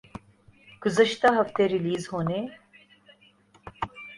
گزشتہ ہفتے ریلیز ہونے